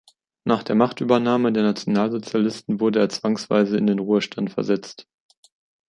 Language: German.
Nach der Machtübernahme der Nationalsozialisten wurde er zwangsweise in den Ruhestand versetzt.